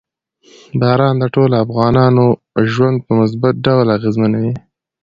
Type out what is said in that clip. باران د ټولو افغانانو ژوند په مثبت ډول اغېزمنوي.